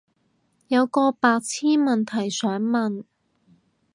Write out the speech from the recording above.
有個白癡問題想問